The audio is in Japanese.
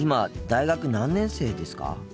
大学３年生です。